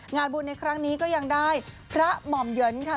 งานบุญในครั้งนี้ก็ยังได้พระหม่อมเหยินค่ะ